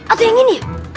atau yang ini